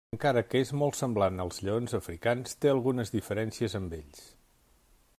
Encara que és molt semblant als lleons africans té algunes diferències amb ells.